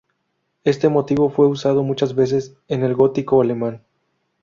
Este motivo fue usado muchas veces en el gótico alemán.